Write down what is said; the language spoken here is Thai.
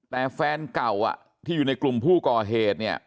แต่แฟนเก่าที่อยู่ในกลุ่มผู้ก่อเหตุเนี่ย